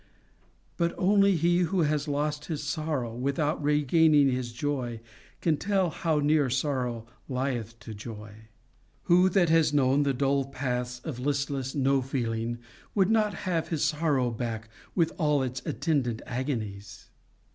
But only he who has lost his sorrow without regaining his joy, can tell how near sorrow lieth to joy. Who that has known the dull paths of listless no feeling, would not have his sorrow back with all its attendant agonies?